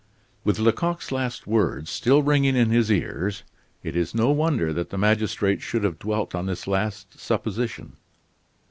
With Lecoq's last words still ringing in his ears, it is no wonder that the magistrate should have dwelt on this last supposition.